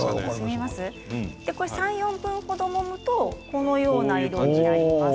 ３、４分程もむとこのような感じになります。